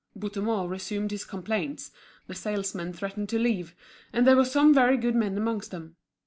Bouthemont resumed his complaints; the salesmen threatened to leave, and there were some very good men amongst them.